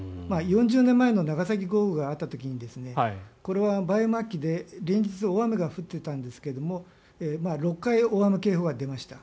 ４０年前の長崎豪雨があった時にこれは梅雨末期で連日、大雨が降っていたんですが６回、大雨警報が出ました。